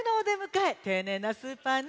ていねいなスーパーね。